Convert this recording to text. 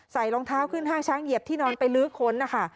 รองเท้าขึ้นห้างช้างเหยียบที่นอนไปลื้อค้นนะคะ